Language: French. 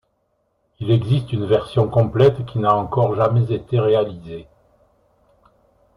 Il existe une version complète qui n'a encore jamais été réalisée.